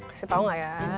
kasih tau gak ya